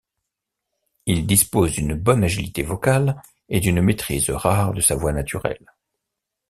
Il dispose d'une bonne agilité vocale et d'une maîtrise rare de sa voix naturelle.